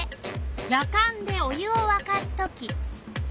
やかんでお湯をわかすとき。